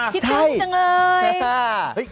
คิดด้วยจังเลย